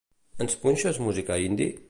Ens punxes música indie?